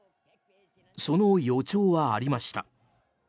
その予兆はありました。